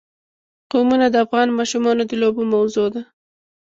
قومونه د افغان ماشومانو د لوبو موضوع ده.